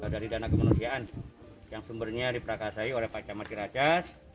dari dana kemenusiaan yang sumbernya diperakasai oleh kecamatan ciracas